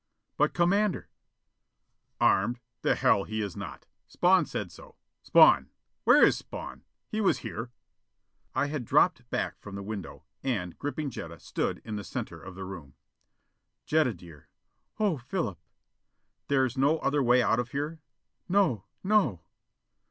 "But Commander " "Armed? The hell he is not! Spawn said no. Spawn! Where is Spawn? He was here." I had dropped back from the window, and, gripping Jetta, stood in the center of the room. "Jetta, dear." "Oh. Philip!" "There's no other way out of here?" "No! No!"